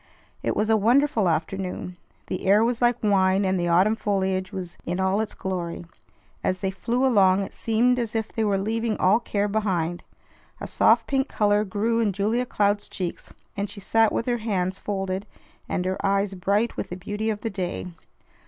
It was a wonderful afternoon. The air was like wine, and the autumn foliage was in all its glory. As they flew along, it seemed as if they were leaving all care behind. A soft pink color grew in Julia Cloud's cheeks, and she sat with her hands folded and her eyes bright with the beauty of the day.